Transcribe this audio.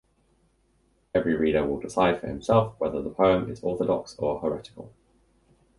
Every reader will decide for himself whether the poem is orthodox or heretical.